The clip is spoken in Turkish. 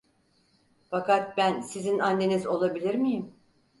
Fakat ben sizin anneniz olabilir miyim?